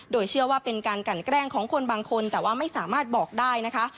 โดยเชื่อว่าเป็นการกันแกล้งของคนบางคนแต่ว่าไม่สามารถบอกได้นะคะ